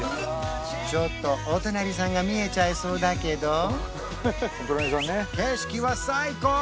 ちょっとお隣さんが見えちゃいそうだけど景色は最高！